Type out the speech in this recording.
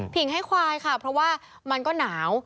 ให้ควายค่ะเพราะว่ามันก็หนาว